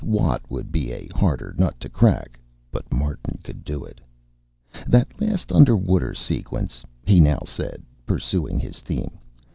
Watt would be a harder nut to crack. But Martin could do it. "That last underwater sequence," he now said, pursuing his theme.